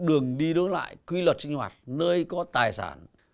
đường đi đối lại quy luật sinh hoạt nơi có tài sản